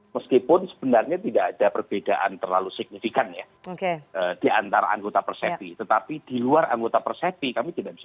meskipun sebenarnya tidak ada perbedaan terlalu signifikan ya di antara anggota persepi